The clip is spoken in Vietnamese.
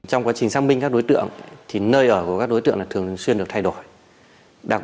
hoàng quang lợi sinh năm hai nghìn trú tại huyện hải dương